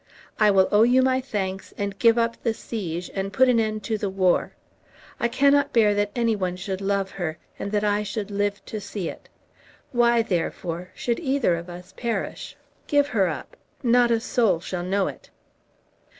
I will owe you my thanks, and give up the siege and put an end to the war. I cannot bear that any one should love her, and that I should live to see it. Why, therefore, should either of us perish? Give her up. Not a soul shall know it."